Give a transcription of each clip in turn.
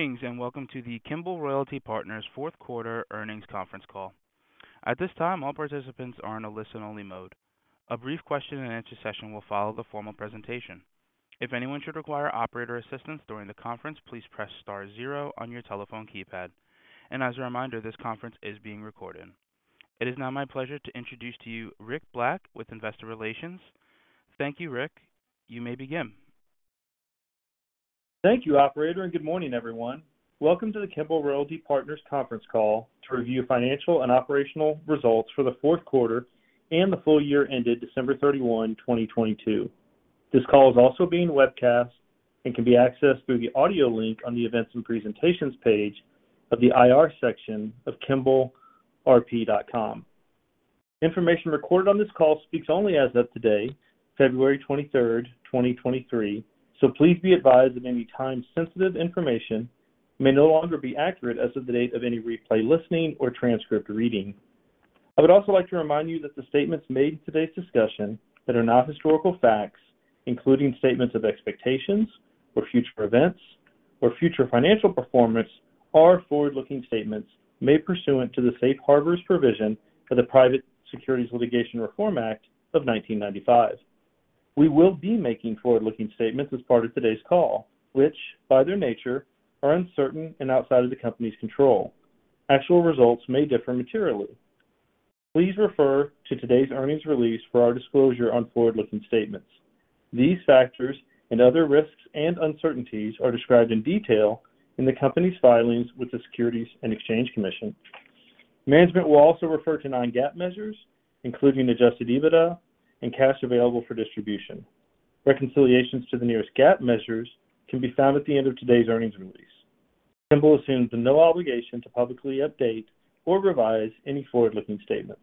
Greetings, and welcome to the Kimbell Royalty Partners Q4 earnings conference call. At this time, all participants are in a listen-only mode. A brief question-and-answer session will follow the formal presentation. If anyone should require operator assistance during the conference, please press star zero on your telephone keypad. As a reminder, this conference is being recorded. It is now my pleasure to introduce to you Rick Black with Investor Relations. Thank you, Rick. You may begin. Thank you operator, good morning, everyone. Welcome to the Kimbell Royalty Partners conference call to review financial and operational results for the Q4 and the full year ended December 31, 2022. This call is also being webcast and can be accessed through the audio link on the Events and Presentations page of the IR section of kimbellrp.com. Information recorded on this call speaks only as of today, February 23, 2023. Please be advised that any time-sensitive information may no longer be accurate as of the date of any replay listening or transcript reading. I would also like to remind you that the statements made in today's discussion that are not historical facts, including statements of expectations or future events or future financial performance, are forward-looking statements made pursuant to the safe harbors provision for the Private Securities Litigation Reform Act of nineteen ninety-five. We will be making forward-looking statements as part of today's call, which, by their nature, are uncertain and outside of the company's control. Actual results may differ materially. Please refer to today's earnings release for our disclosure on forward-looking statements. These factors and other risks and uncertainties are described in detail in the company's filings with the Securities and Exchange Commission. Management will also refer to non-GAAP measures, including adjusted EBITDA and cash available for distribution. Reconciliations to the nearest GAAP measures can be found at the end of today's earnings release. Kimbell assumes a no obligation to publicly update or revise any forward-looking statements.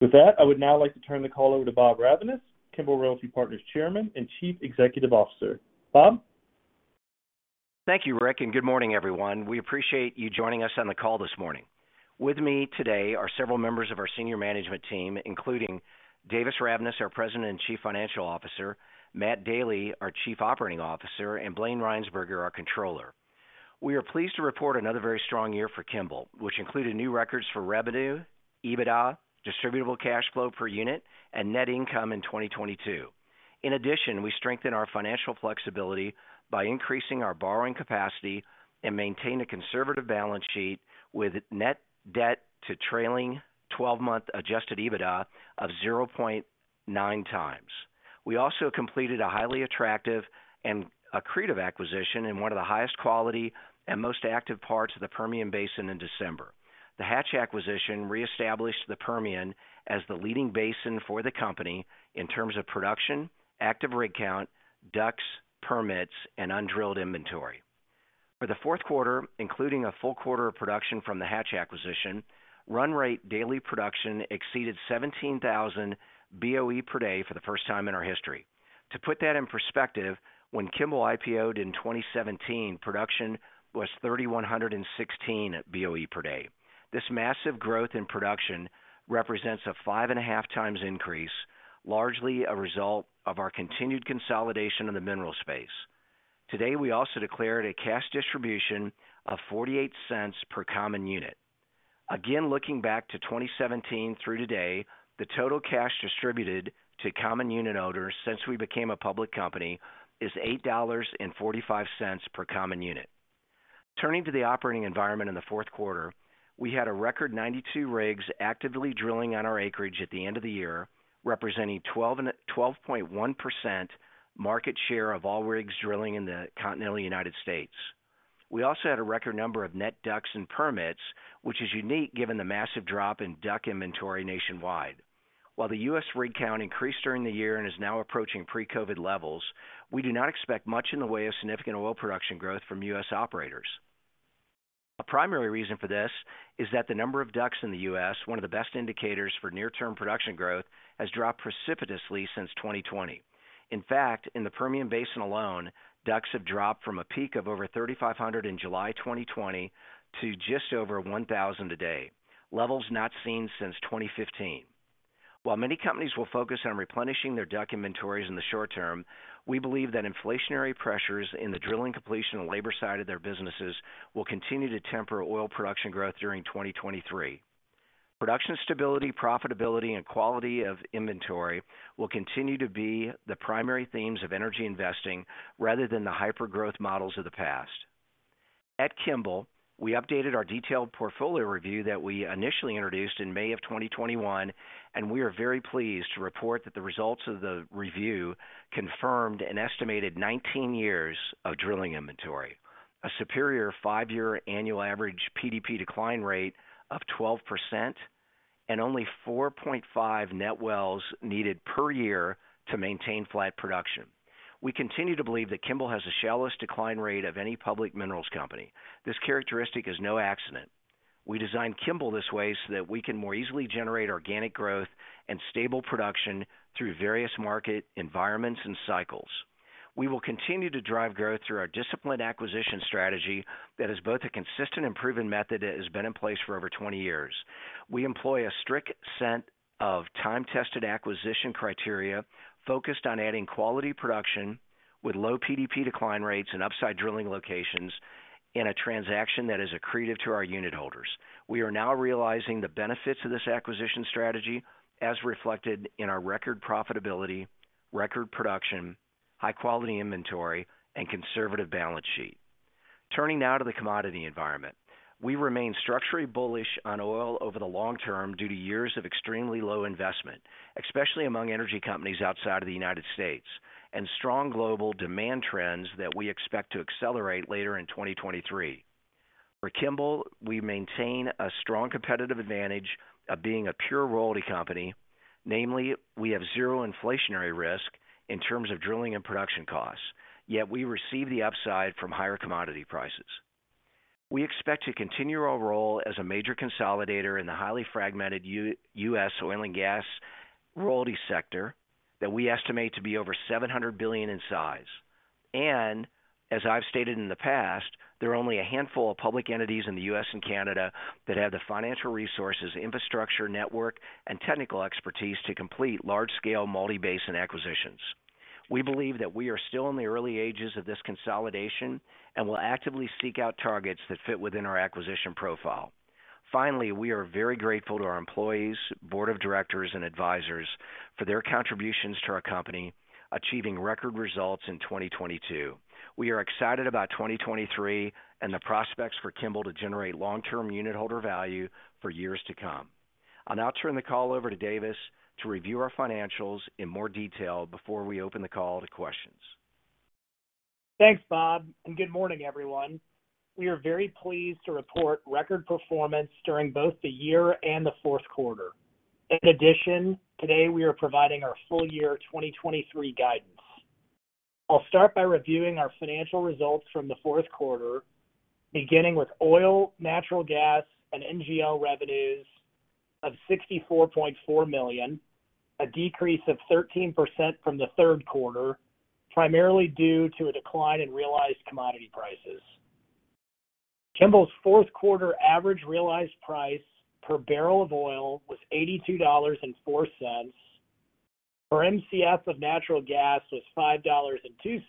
With that, I would now like to turn the call over to Bob Ravnaas Kimbell Royalty Partners Chairman and Chief Executive Officer. Bob? Thank you, Rick, and good morning, everyone. We appreciate you joining us on the call this morning. With me today are several members of our senior management team, including Davis Ravnaas our President and Chief Financial Officer, Matt Daly, our Chief Operating Officer, and Blayne Rhynsburger our Controller. We are pleased to report another very strong year for Kimbell, which included new records for revenue, EBITDA, distributable cash flow per unit, and net income in 2022. In addition, we strengthen our financial flexibility by increasing our borrowing capacity and maintain a conservative balance sheet with net debt to trailing twelve-month adjusted EBITDA of 0.9x. We also completed a highly attractive and accretive acquisition in one of the highest quality and most active parts of the Permian Basin in December. The Hatch acquisition reestablished the Permian as the leading basin for the company in terms of production, active rig count, DUCs, permits, and undrilled inventory. For the Q4 including a full quarter of production from the Hatch acquisition, run rate daily production exceeded 17,000 Boe per day for the first time in our history. To put that in perspective, when Kimbell IPO'd in 2017, production was 3,116 Boe per day. This massive growth in production represents a five and a half times increase, largely a result of our continued consolidation in the mineral space. Today, we also declared a cash distribution of $0.48 per common unit. Looking back to 2017 through today, the total cash distributed to common unit owners since we became a public company is $8.45 per common unit. Turning to the operating environment in the Q4, we had a record 92 rigs actively drilling on our acreage at the end of the year, representing 12.1% market share of all rigs drilling in the continental United States. We also had a record number of net DUCs and permits, which is unique given the massive drop in DUC inventory nationwide. While the U.S. rig count increased during the year and is now approaching pre-COVID levels, we do not expect much in the way of significant oil production growth from U.S. operators. A primary reason for this is that the number of DUCs in the U.S., one of the best indicators for near-term production growth, has dropped precipitously since 2020. In fact, in the Permian Basin alone, DUCs have dropped from a peak of over 3,500 in July 2020 to just over 1,000 today. Levels not seen since 2015. While many companies will focus on replenishing their DUC inventories in the short term, we believe that inflationary pressures in the drilling completion and labor side of their businesses will continue to temper oil production growth during 2023. Production stability, profitability and quality of inventory will continue to be the primary themes of energy investing rather than the hyper-growth models of the past. At Kimbell, we updated our detailed portfolio review that we initially introduced in May of 2021. We are very pleased to report that the results of the review confirmed an estimated 19 years of drilling inventory, a superior 5-year annual average PDP decline rate of 12%, and only 4.5 net wells needed per year to maintain flat production. We continue to believe that Kimbell has the shallowest decline rate of any public minerals company. This characteristic is no accident. We designed Kimbell this way so that we can more easily generate organic growth and stable production through various market environments and cycles. We will continue to drive growth through our disciplined acquisition strategy that is both a consistent and proven method that has been in place for over 20 years. We employ a strict set of time-tested acquisition criteria focused on adding quality production with low PDP decline rates and upside drilling locations in a transaction that is accretive to our unitholders. We are now realizing the benefits of this acquisition strategy, as reflected in our record profitability, record production, high quality inventory, and conservative balance sheet. Turning now to the commodity environment. We remain structurally bullish on oil over the long term due to years of extremely low investment, especially among energy companies outside of the United States, and strong global demand trends that we expect to accelerate later in 2023. For Kimbell, we maintain a strong competitive advantage of being a pure royalty company. Namely, we have zero inflationary risk in terms of drilling and production costs, yet we receive the upside from higher commodity prices. We expect to continue our role as a major consolidator in the highly fragmented U.S. oil and gas royalty sector that we estimate to be over $700 billion in size. As I've stated in the past, there are only a handful of public entities in the U.S. and Canada that have the financial resources, infrastructure, network, and technical expertise to complete large-scale multi-basin acquisitions. We believe that we are still in the early ages of this consolidation and will actively seek out targets that fit within our acquisition profile. Finally, we are very grateful to our employees, board of directors, and advisors for their contributions to our company achieving record results in 2022. We are excited about 2023 and the prospects for Kimbell to generate long-term unitholder value for years to come. I'll now turn the call over to Davis to review our financials in more detail before we open the call to questions. Thanks, Bob. Good morning, everyone. We are very pleased to report record performance during both the year and the Q4. In addition, today we are providing our full year 2023 guidance. I'll start by reviewing our financial results from the Q4, beginning with oil, natural gas, and NGL revenues of $64.4 million, a decrease of 13% from the Q3, primarily due to a decline in realized commodity prices. Kimbell's Q4 average realized price per barrel of oil was $82.04, per Mcf of natural gas was $5.02,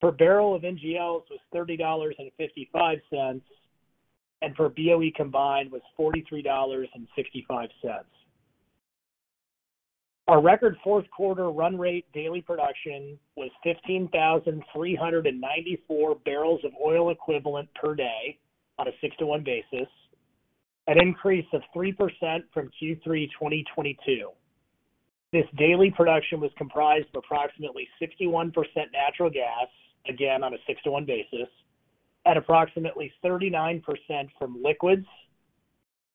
per barrel of NGLs was $30.55, and per BOE combined was $43.65. Our record Q4 run rate daily production was 15,394 barrels of oil equivalent per day on a 6:1 basis, an increase of 3% from Q3 2022. This daily production was comprised of approximately 61% natural gas, again on a 6:1 basis, at approximately 39% from liquids,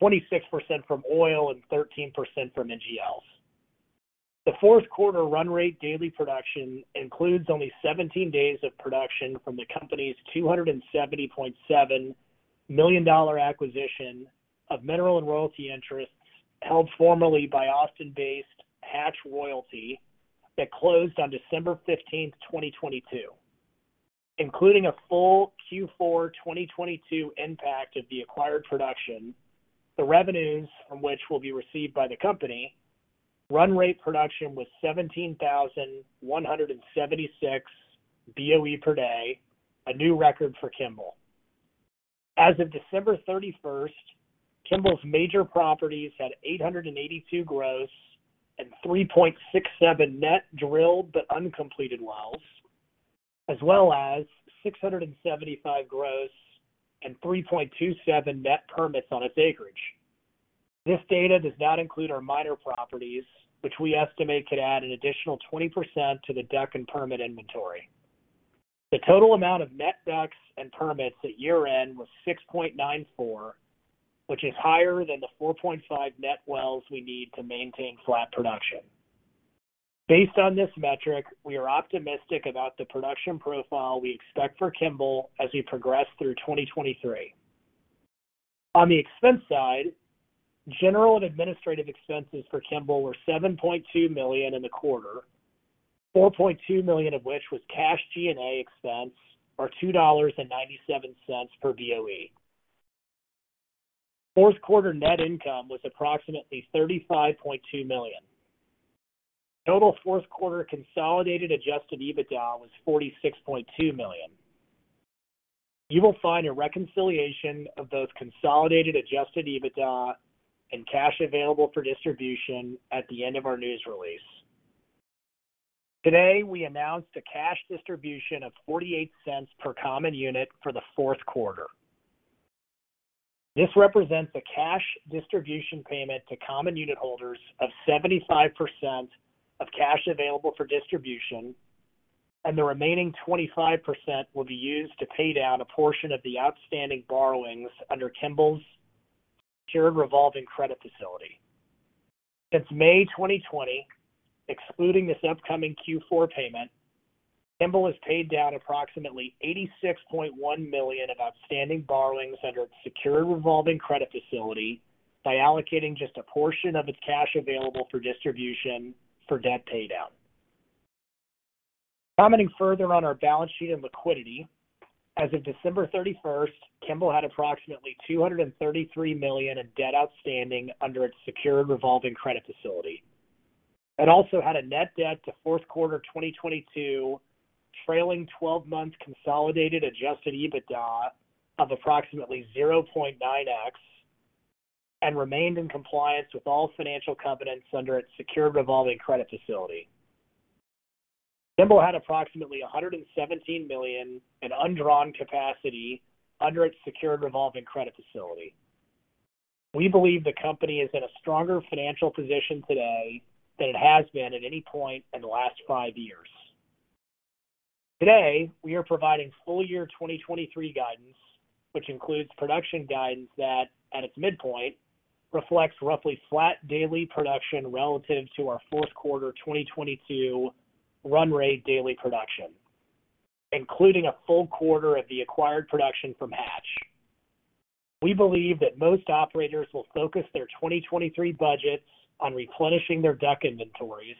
26% from oil, and 13% from NGLs. The Q4 run rate daily production includes only 17 days of production from the company's $270.7 million acquisition of mineral and royalty interests held formerly by Austin-based Hatch Royalty that closed on December 15, 2022. Including a full Q4 2022 impact of the acquired production, the revenues from which will be received by the company, run rate production was 17,176 BOE per day, a new record for Kimbell. As of December 31st, Kimbell's major properties had 882 gross and 3.67 net drilled but uncompleted wells, as well as 675 gross and 3.27 net permits on its acreage. This data does not include our minor properties, which we estimate could add an additional 20% to the DUC and permit inventory. The total amount of net DUCs and permits at year-end was 6.94, which is higher than the 4.5 net wells we need to maintain flat production. Based on this metric, we are optimistic about the production profile we expect for Kimbell as we progress through 2023. On the expense side, general and administrative expenses for Kimbell were $7.2 million in the quarter, $4.2 million of which was cash G&A expense or $2.97 per BOE. Fourth quarter net income was approximately $35.2 million. Total Q4 consolidated adjusted EBITDA was $46.2 million. You will find a reconciliation of those consolidated adjusted EBITDA and cash available for distribution at the end of our news release. Today, we announced a cash distribution of $0.48 per common unit for the Q4. This represents a cash distribution payment to common unitholders of 75% of cash available for distribution. The remaining 25% will be used to pay down a portion of the outstanding borrowings under Kimbell's secured revolving credit facility. Since May 2020, excluding this upcoming Q4 payment, Kimbell has paid down approximately $86.1 million of outstanding borrowings under its secured revolving credit facility by allocating just a portion of its cash available for distribution for debt paydown. Commenting further on our balance sheet and liquidity. As of December 31st, Kimbell had approximately $233 million in debt outstanding under its secured revolving credit facility. It also had a net debt to Q4 2022 trailing twelve months consolidated adjusted EBITDA of approximately 0.9x, and remained in compliance with all financial covenants under its secured revolving credit facility. Kimbell had approximately $117 million in undrawn capacity under its secured revolving credit facility. We believe the company is in a stronger financial position today than it has been at any point in the last 5 years. Today, we are providing full year 2023 guidance, which includes production guidance that, at its midpoint, reflects roughly flat daily production relative to our Q4 2022 run rate daily production, including a full quarter of the acquired production from Hatch. We believe that most operators will focus their 2023 budgets on replenishing their DUC inventories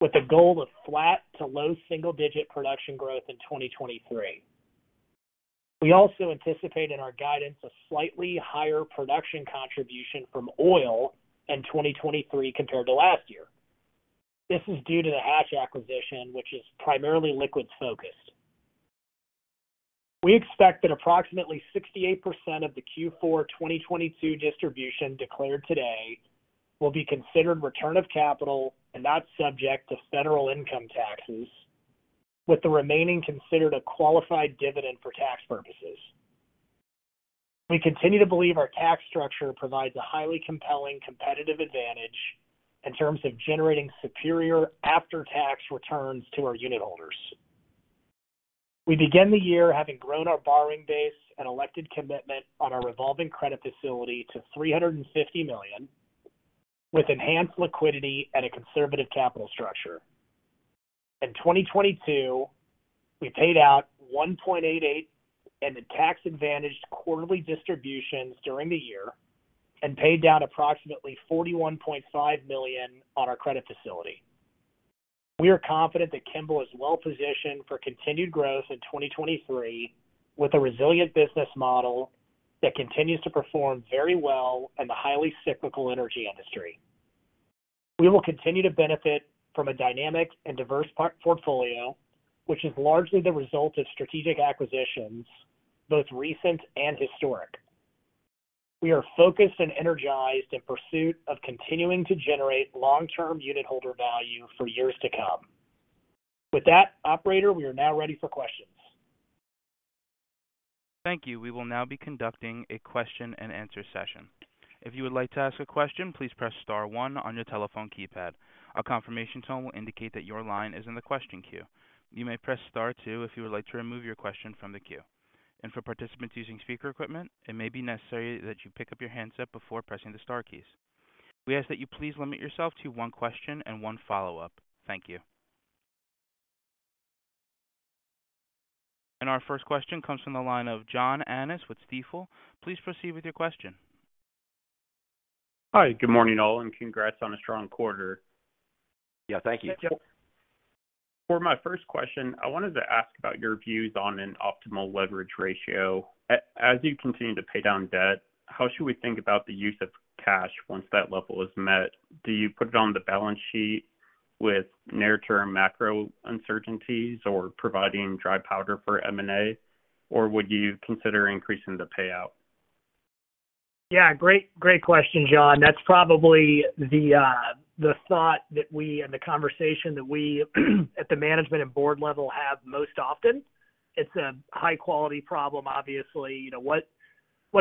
with a goal of flat to low single-digit production growth in 2023. We also anticipate in our guidance a slightly higher production contribution from oil in 2023 compared to last year. This is due to the Hatch acquisition, which is primarily liquids focused. We expect that approximately 68% of the Q4 2022 distribution declared today will be considered return of capital and not subject to federal income taxes, with the remaining considered a qualified dividend for tax purposes. We continue to believe our tax structure provides a highly compelling competitive advantage in terms of generating superior after-tax returns to our unitholders. We begin the year having grown our borrowing base and elected commitment on our revolving credit facility to $350 million with enhanced liquidity at a conservative capital structure. In 2022, we paid out $1.88 in the tax-advantaged quarterly distributions during the year and paid down approximately $41.5 million on our credit facility. We are confident that Kimbell is well positioned for continued growth in 2023 with a resilient business model that continues to perform very well in the highly cyclical energy industry. We will continue to benefit from a dynamic and diverse portfolio, which is largely the result of strategic acquisitions, both recent and historic. We are focused and energized in pursuit of continuing to generate long-term unitholder value for years to come. With that, operator, we are now ready for questions. Thank you. We will now be conducting a question-and-answer session. If you would like to ask a question, please press star one on your telephone keypad. A confirmation tone will indicate that your line is in the question queue. You may press star two if you would like to remove your question from the queue. For participants using speaker equipment, it may be necessary that you pick up your handset before pressing the star keys. We ask that you please limit yourself to one question and one follow-up. Thank you. Our first question comes from the line of John Annis with Stifel. Please proceed with your question. Hi. Good morning, all, and congrats on a strong quarter. Yeah, thank you. For my first question, I wanted to ask about your views on an optimal leverage ratio. As you continue to pay down debt, how should we think about the use of cash once that level is met? Do you put it on the balance sheet with near-term macro uncertainties or providing dry powder for M&A, or would you consider increasing the payout? Yeah, great question, John. That's probably the thought that we and the conversation that we, at the management and board level have most often. It's a high-quality problem, obviously. You know, what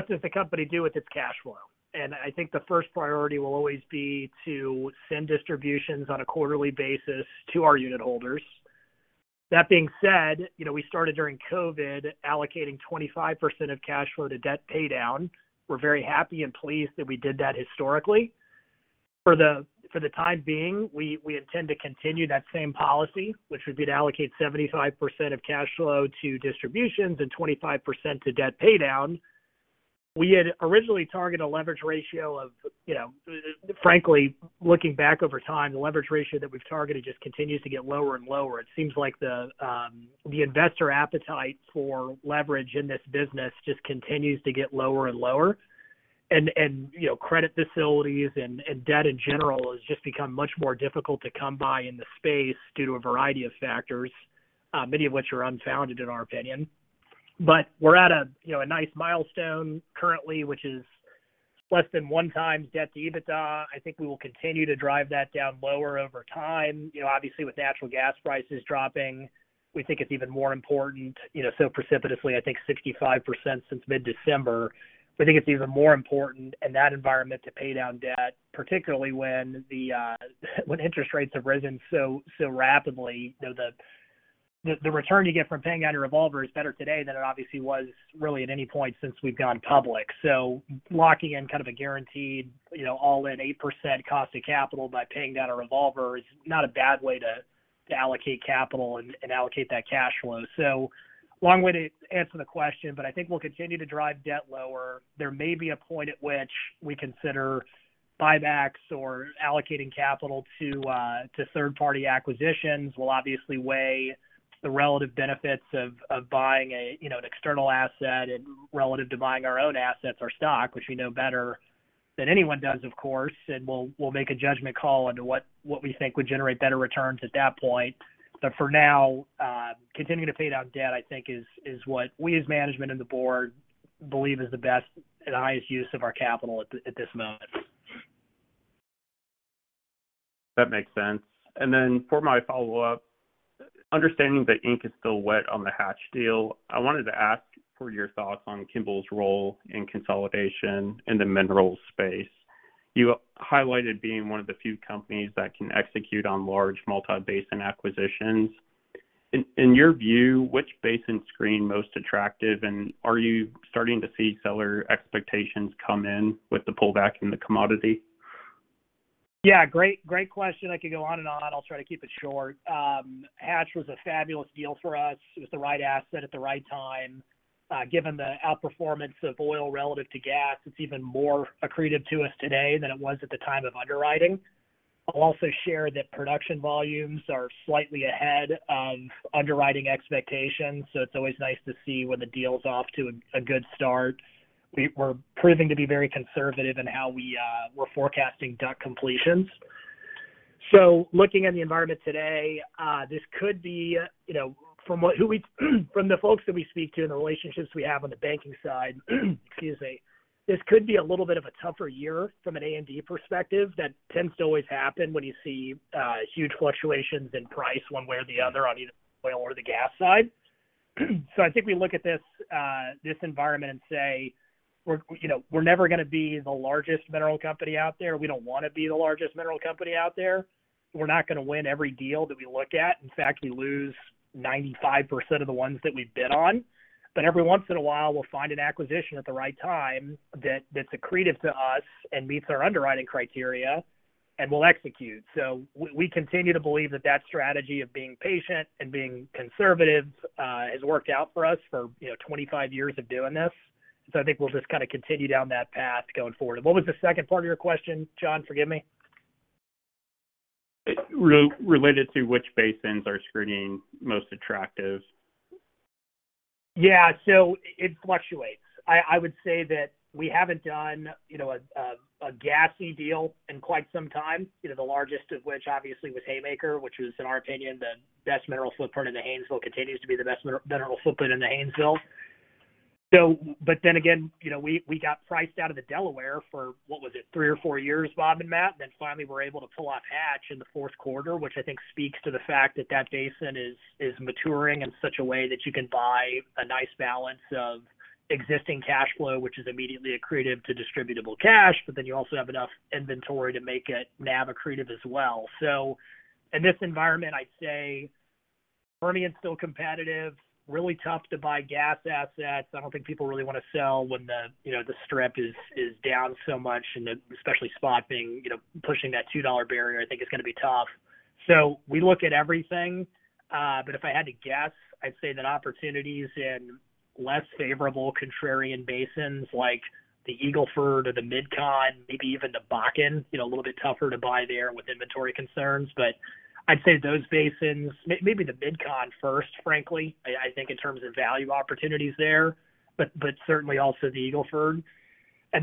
does the company do with its cash flow? I think the first priority will always be to send distributions on a quarterly basis to our unitholders. That being said,, we started during COVID allocating 25% of cash flow to debt paydown. We're very happy and pleased that we did that historically. For the time being, we intend to continue that same policy, which would be to allocate 75% of cash flow to distributions and 25% to debt paydown. We had originally targeted a leverage ratio of,, frankly, looking back over time, the leverage ratio that we've targeted just continues to get lower and lower. It seems like the investor appetite for leverage in this business just continues to get lower and lower. You know, credit facilities and debt in general has just become much more difficult to come by in the space due to a variety of factors, many of which are unfounded in our opinion. We're at a,, a nice milestone currently, which is less than one times debt to EBITDA. I think we will continue to drive that down lower over time. You know, obviously, with natural gas prices dropping, we think it's even more important,, so precipitously, I think 65% since mid-December. We think it's even more important in that environment to pay down debt, particularly when interest rates have risen so rapidly. You know, the return you get from paying down your revolver is better today than it obviously was really at any point since we've gone public. Locking in a guaranteed,, all-in 8% cost of capital by paying down a revolver is not a bad way to allocate capital and allocate that cash flow. Long way to answer the question, but I think we'll continue to drive debt lower. There may be a point at which we consider buybacks or allocating capital to third-party acquisitions. We'll obviously weigh the relative benefits of buying a,, an external asset and relative to buying our own assets or stock, which we know better. That anyone does, of course, and we'll make a judgment call into what we think would generate better returns at that point. For now, continuing to pay down debt, I think is what we as management and the board believe is the best and highest use of our capital at this moment. That makes sense. Then for my follow-up, understanding that ink is still wet on the Hatch deal, I wanted to ask for your thoughts on Kimbell's role in consolidation in the minerals space. You highlighted being one of the few companies that can execute on large multi-basin acquisitions. In your view, which basin screen most attractive, and are you starting to see seller expectations come in with the pullback in the commodity? Yeah. Great, great question. I could go on and on. I'll try to keep it short. Hatch was a fabulous deal for us. It was the right asset at the right time. Given the outperformance of oil relative to gas, it's even more accretive to us today than it was at the time of underwriting. I'll also share that production volumes are slightly ahead of underwriting expectations, so it's always nice to see when the deal's off to a good start. We're proving to be very conservative in how we're forecasting DUC completions. Looking at the environment today, this could be,, from the folks that we speak to and the relationships we have on the banking side, excuse me, this could be a little bit of a tougher year from an M&A perspective. That tends to always happen when you see huge fluctuations in price one way or the other on either the oil or the gas side. I think we look at this environment and say, we're,, we're never going to be the largest mineral company out there. We don't want to be the largest mineral company out there. We're not going to win every deal that we look at. In fact, we lose 95% of the ones that we bid on. Every once in a while, we'll find an acquisition at the right time that's accretive to us and meets our underwriting criteria, and we'll execute. We continue to believe that that strategy of being patient and being conservative has worked out for us for,, 25 years of doing this. I think we'll just continue down that path going forward. What was the second part of your question, John? Forgive me. Related to which basins are screening most attractive. Yeah. It fluctuates. I would say that we haven't done,, a gassy deal in quite some time,, the largest of which obviously was Haymaker, which was, in our opinion, the best mineral footprint in the Haynesville, continues to be the best mineral footprint in the Haynesville. Again,, we got priced out of the Delaware for, what was it? 3 or 4 years, Bob and Matt, then finally were able to pull off Hatch in the Q4, which I think speaks to the fact that that basin is maturing in such a way that you can buy a nice balance of existing cash flow, which is immediately accretive to distributable cash, but then you also have enough inventory to make it NAV accretive as well. In this environment, I'd say Permian's still competitive, really tough to buy gas assets. I don't think people really want to sell when the,, the strip is down so much, and especially spot being,, pushing that $2 barrier, I think it's going to be tough. We look at everything, but if I had to guess, I'd say that opportunities in less favorable contrarian basins like the Eagle Ford or the MidCon, maybe even the Bakken,, a little bit tougher to buy there with inventory concerns. I'd say those basins, maybe the MidCon first, frankly, I think in terms of value opportunities there, but certainly also the Eagle Ford.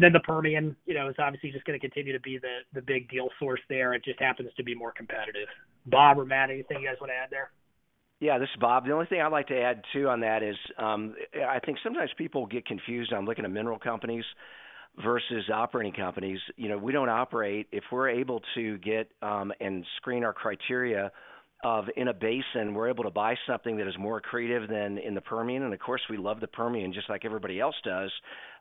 Then the Permian,, is obviously just going to continue to be the big deal source there. It just happens to be more competitive. Bob or Matt, anything you guys want to add there? Yeah, this is Bob. The only thing I'd like to add too on that is, I think sometimes people get confused on looking at mineral companies versus operating companies. You know, we don't operate. If we're able to get, and screen our criteria of in a basin, we're able to buy something that is more accretive than in the Permian. Of course, we love the Permian just like everybody else does,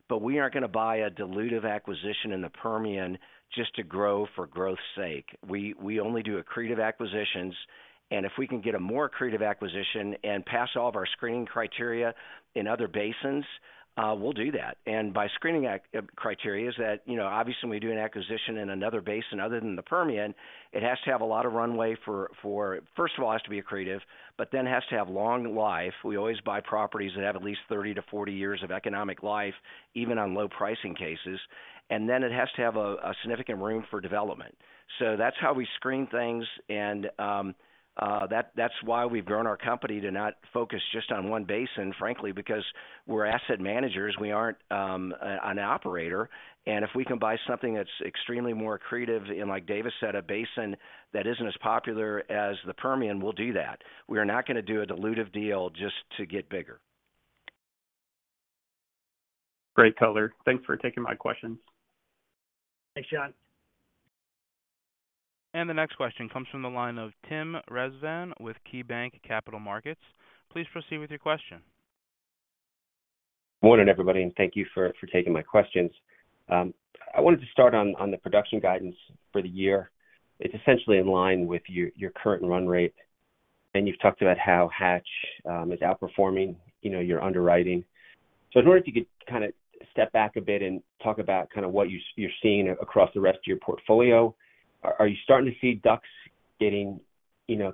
but we aren't going to buy a dilutive acquisition in the Permian just to grow for growth's sake. We only do accretive acquisitions. If we can get a more accretive acquisition and pass all of our screening criteria in other basins, we'll do that. By screening criteria is that,, obviously, when we do an acquisition in another basin other than the Permian, it has to have a lot of runway for first of all, it has to be accretive, but then it has to have long life. We always buy properties that have at least 30 to 40 years of economic life, even on low pricing cases. Then it has to have a significant room for development. That's how we screen things and that's why we've grown our company to not focus just on one basin, frankly, because we're asset managers. We aren't an operator. If we can buy something that's extremely more accretive in, like Davis said, a basin that isn't as popular as the Permian, we'll do that. We are not going to do a dilutive deal just to get bigger. Great color. Thanks for taking my questions. Thanks, John. The next question comes from the line of Tim Rezvan with KeyBanc Capital Markets. Please proceed with your question. Morning, everybody, thank you for taking my questions. I wanted to start on the production guidance for the year. It's essentially in line with your current run rate, and you've talked about how Hatch is outperforming,, your underwriting. I'd wonder if you could step back a bit and talk about what you're seeing across the rest of your portfolio. Are you starting to see DUCs getting,,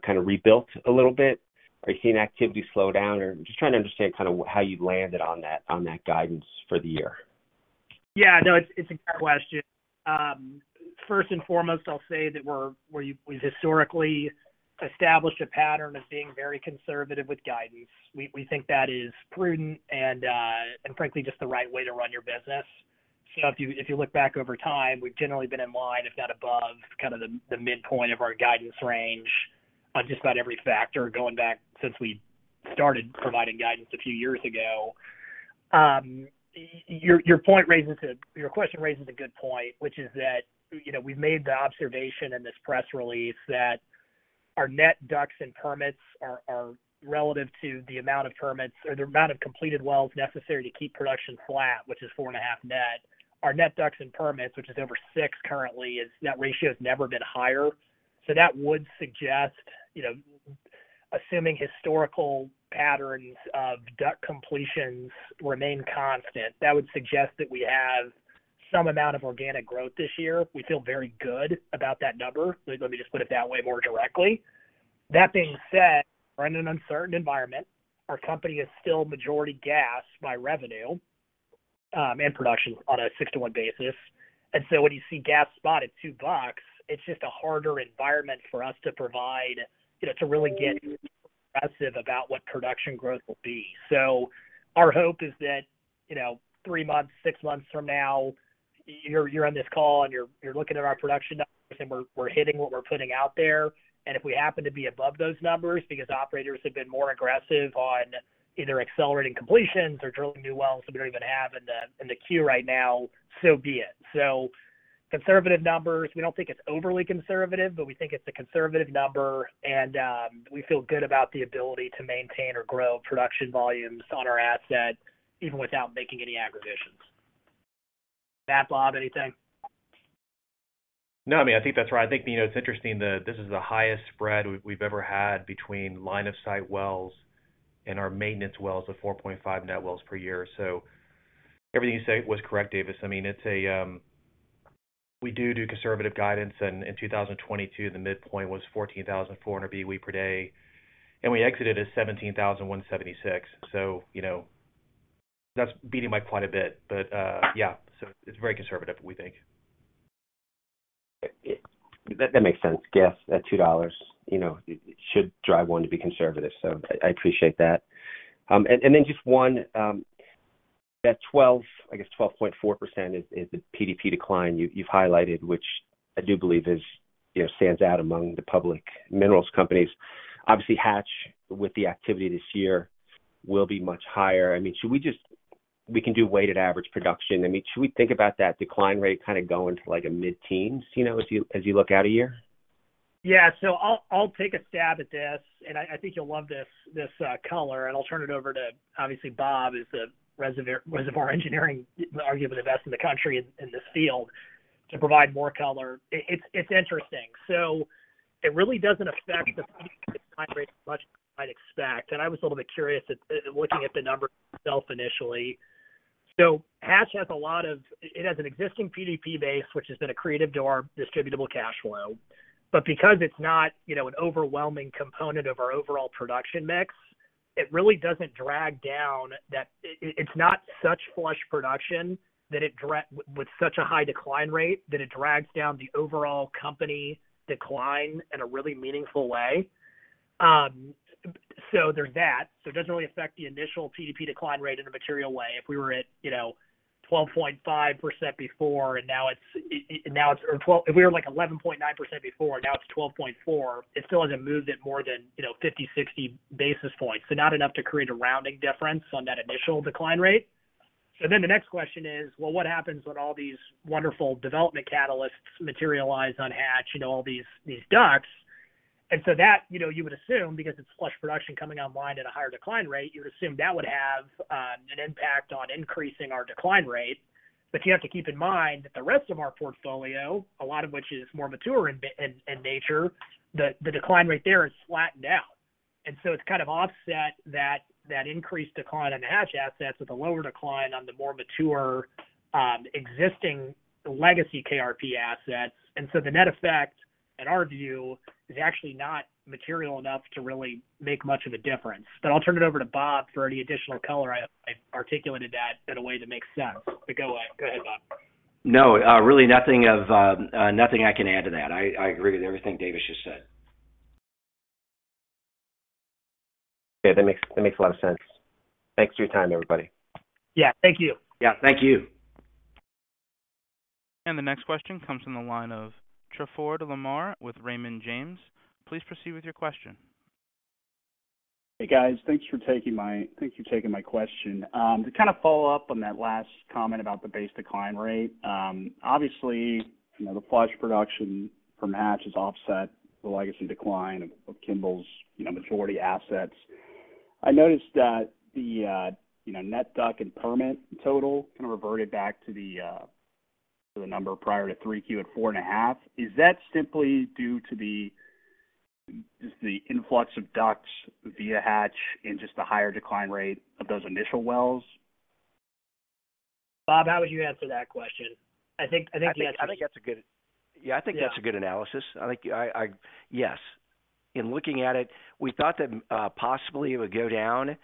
rebuilt a little bit? Are you seeing activity slow down? Just trying to understand how you landed on that guidance for the year. Yeah, no, it's a great question. First and foremost, I'll say that we've historically established a pattern of being very conservative with guidance. We think that is prudent and frankly, just the right way to run your business. If you look back over time, we've generally been in line, if not above, the midpoint of our guidance range on just about every factor going back since we started providing guidance a few years ago. Your question raises a good point, which is that,, we've made the observation in this press release that our net DUCs and permits are relative to the amount of permits or the amount of completed wells necessary to keep production flat, which is 4.5 net. Our net DUCs and permits, which is over 6 currently, has never been higher. That would suggest,, assuming historical patterns of DUC completions remain constant, that would suggest that we have some amount of organic growth this year. We feel very good about that number. Let me just put it that way more directly. That being said, we're in an uncertain environment. Our company is still majority gas by revenue and production on a 6:1 basis. When you see gas spot at $2, it's just a harder environment for us to provide,, to really get aggressive about what production growth will be. Our hope is that,, 3 months, 6 months from now, you're on this call and you're looking at our production numbers, and we're hitting what we're putting out there. If we happen to be above those numbers because operators have been more aggressive on either accelerating completions or drilling new wells that we don't even have in the queue right now, so be it. Conservative numbers, we don't think it's overly conservative, but we think it's a conservative number. We feel good about the ability to maintain or grow production volumes on our asset even without making any acquisitions. Matt, Bob, anything? No, I mean, I think that's right. I think,, it's interesting that this is the highest spread we've ever had between line of sight wells and our maintenance wells of 4.5 net wells per year. Everything you say was correct, Davis. I mean, it's a. We do conservative guidance, and in 2022, the midpoint was 14,400 BOE per day, and we exited at 17,176. You know, that's beating by quite a bit. Yeah, it's very conservative, we think. That makes sense. Gas at $2, , should drive one to be conservative. I appreciate that. Then just one, that 12, I guess 12.4% is the PDP decline you've highlighted, which I do believe is,, stands out among the public minerals companies. Obviously, Hatch, with the activity this year, will be much higher. I mean, should we just we can do weighted average production. I mean, should we think about that decline rate going to, like, a mid-teens,, as you look out a year? Yeah. I'll take a stab at this, and I think you'll love this color, and I'll turn it over to, obviously, Bob is the reservoir engineering, arguably the best in the country in this field to provide more color. It's interesting. It really doesn't affect the decline rate as much as you might expect. I was a little bit curious at looking at the numbers itself initially. Hatch has an existing PDP base, which has been accretive to our distributable cash flow. Because it's not,, an overwhelming component of our overall production mix, it really doesn't drag down it's not such flush production with such a high decline rate, that it drags down the overall company decline in a really meaningful way. There's that. It doesn't really affect the initial PDP decline rate in a material way. If we were at, , 12.5% before, if we were, like, 11.9% before, now it's 12.4%, it still hasn't moved it more than,, 50, 60 basis points. Not enough to create a rounding difference on that initial decline rate. The next question is, well, what happens when all these wonderful development catalysts materialize on Hatch and all these DUCs? That,, you would assume, because it's flush production coming online at a higher decline rate, you would assume that would have an impact on increasing our decline rate. You have to keep in mind that the rest of our portfolio, a lot of which is more mature in nature, the decline rate there is flattened out. It's offset that increased decline on the Hatch assets with a lower decline on the more mature, existing legacy KRP assets. The net effect, in our view, is actually not material enough to really make much of a difference. I'll turn it over to Bob for any additional color. I articulated that in a way that makes sense. Go ahead, Bob. No, really nothing of, nothing I can add to that. I agree with everything Davis just said. Okay. That makes a lot of sense. Thanks for your time, everybody. Yeah. Thank you. Yeah. Thank you. The next question comes from the line of Trafford Lamar from Raymond James. Please proceed with your question. Hey, guys. Thank you for taking my question. To follow up on that last comment about the base decline rate, obviously,, the flush production from Hatch has offset the legacy decline of Kimbell's,, majority assets. I noticed that the,, net DUC and permit total reverted back to the number prior to 3Q at 4.5. Is that simply due to the influx of DUCs via Hatch and just the higher decline rate of those initial wells? Bob, how would you answer that question? I think. Yeah, I think that's a good analysis. I think I. Yes. In looking at it, we thought that possibly it would go down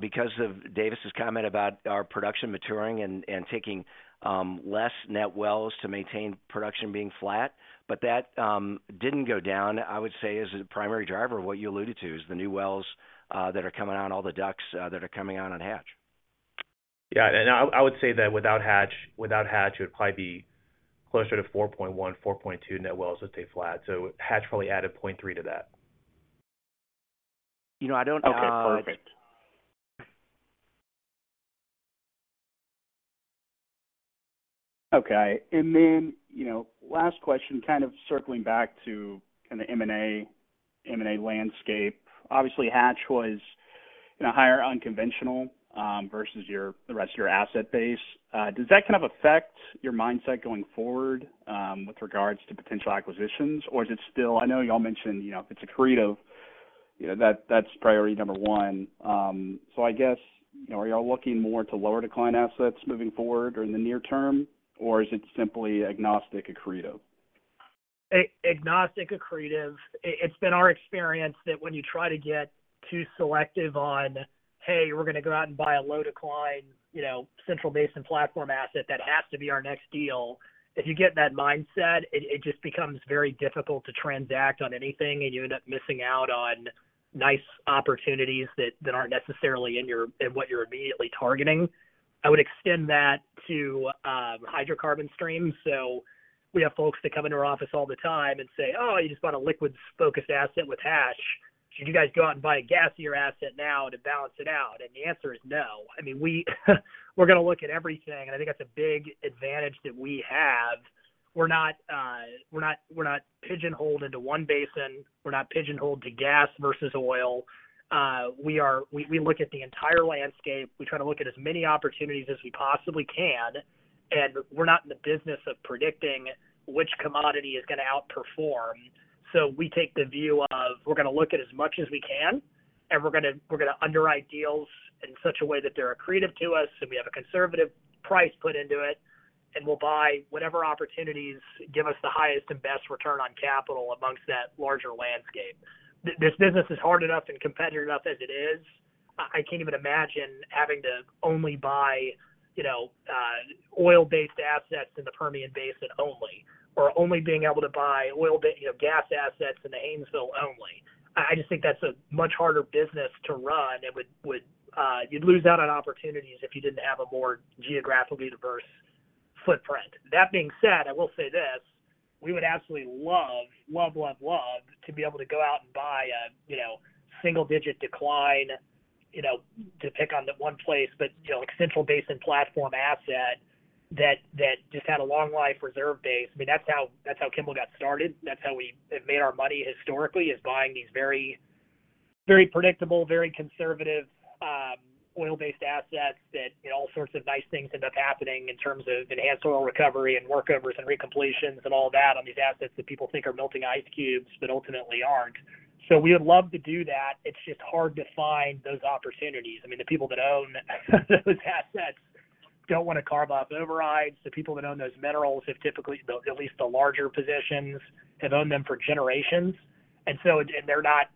because of Davis's comment about our production maturing and taking less net wells to maintain production being flat. That didn't go down, I would say, as a primary driver. What you alluded to is the new wells that are coming on, all the DUCs that are coming on Hatch. Yeah. I would say that without Hatch, it would probably be closer to 4.1, 4.2 net wells would stay flat. Hatch probably added 0.3 to that. You know, I don't... Okay, perfect. Okay. You know, last question, circling back M&A, M&A landscape. Obviously, Hatch was in a higher unconventional versus the rest of your asset base. Does that affect your mindset going forward with regards to potential acquisitions? Or is it still... I know y'all mentioned,, if it's accretive,, that's priority number 1. I guess,, are y'all looking more to lower decline assets moving forward or in the near term? Or is it simply agnostic accretive? Agnostic accretive. It's been our experience that when you try to get too selective on, "Hey, we're going to go out and buy a low decline,, Central Basin Platform asset, that has to be our next deal." If you get that mindset, it just becomes very difficult to transact on anything, and you end up missing out on nice opportunities that aren't necessarily in what you're immediately targeting. I would extend that to hydrocarbon streams. We have folks that come into our office all the time and say, "Oh, you just bought a liquids-focused asset with Hatch. Should you guys go out and buy a gassier asset now to balance it out?" The answer is no. I mean, we're going to look at everything, and I think that's a big advantage that we have. We're not, we're not pigeonholed into one basin. We're not pigeonholed to gas versus oil. We look at the entire landscape. We try to look at as many opportunities as we possibly can. We're not in the business of predicting which commodity is going to outperform. We take the view of we're going to look at as much as we can. We're going to underwrite deals in such a way that they're accretive to us. We have a conservative price put into it. We'll buy whatever opportunities give us the highest and best return on capital amongst that larger landscape. This business is hard enough and competitive enough as it is. I can't even imagine having to only buy,, oil-based assets in the Permian Basin only, or only being able to buy,, gas assets in the Amesville only. I just think that's a much harder business to run and would, you'd lose out on opportunities if you didn't have a more geographically diverse footprint. That being said, I will say this, we would absolutely love, love to be able to go out and buy a,, single-digit decline,, to pick on the one place, but,, like Central Basin Platform asset that just had a long life reserve base. I mean, that's how Kimbell got started. That's how we have made our money historically, is buying these very, very predictable, very conservative, oil-based assets that,, all sorts of nice things end up happening in terms of enhanced oil recovery and workovers and recompletions and all that on these assets that people think are melting ice cubes, but ultimately aren't. We would love to do that. It's just hard to find those opportunities. I mean, the people that own those assets don't want to carve off overrides. The people that own those minerals have typically, the at least the larger positions, have owned them for generations. They're not,,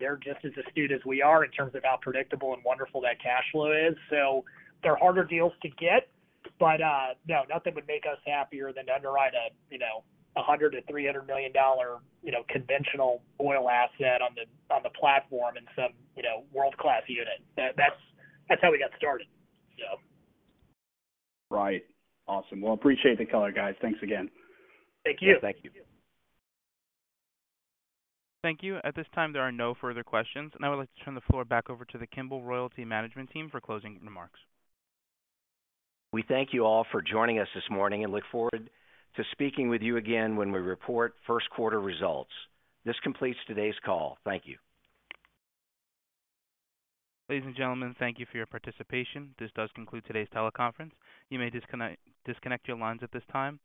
they're just as astute as we are in terms of how predictable and wonderful that cash flow is. They're harder deals to get. No, nothing would make us happier than to underwrite a,, a $100 million-$300 million,, conventional oil asset on the, on the platform in some,, world-class unit. That, that's how we got started. Right. Awesome. Well, appreciate the color, guys. Thanks again. Thank you. Yeah. Thank you. Thank you. At this time, there are no further questions. I would like to turn the floor back over to the Kimbell Royalty management team for closing remarks. We thank you all for joining us this morning and look forward to speaking with you again when we report Q1 results. This completes today's call. Thank you. Ladies and gentlemen, thank you for your participation. This does conclude today's teleconference. You may disconnect your lines at this time.